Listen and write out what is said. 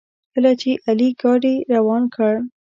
کله چې علي ګاډي روان کړ.